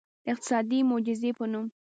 د اقتصادي معجزې په نوم.